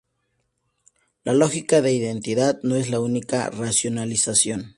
La lógica de identidad no es la única racionalización.